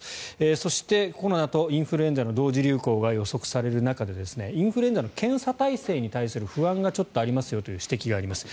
そして、コロナとインフルの同時流行が予想される中でインフルエンザの検査体制に対する不安がありますという指摘があります。